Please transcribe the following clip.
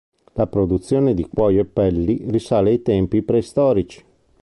La produzione di cuoio e pelli risale ai tempi preistorici.